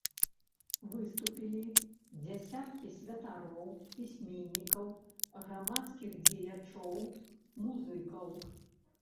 Выступілі дзясяткі святароў, пісьменнікаў, грамадскіх дзеячоў, музыкаў.